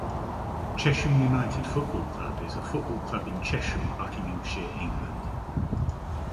Chesham United Football Club is a football club in Chesham, Buckinghamshire, England.